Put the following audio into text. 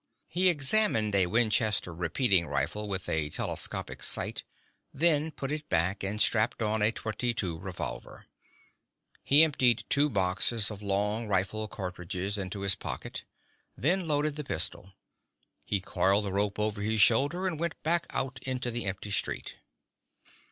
He examined a Winchester repeating rifle with a telescopic sight, then put it back and strapped on a .22 revolver. He emptied two boxes of long rifle cartridges into his pocket, then loaded the pistol. He coiled the rope over his shoulder and went back out into the empty street.